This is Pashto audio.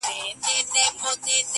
کمی نه وو د طلا د جواهرو!